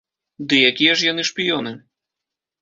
Ды якія ж яны шпіёны?